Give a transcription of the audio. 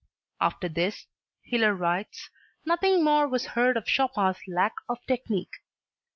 "After this," Hiller writes, "nothing more was heard of Chopin's lack of technique."